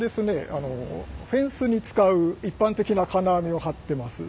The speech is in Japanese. あのフェンスに使う一般的な金網を張ってます。